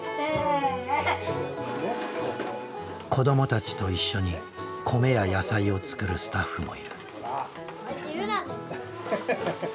子どもたちと一緒に米や野菜を作るスタッフもいる。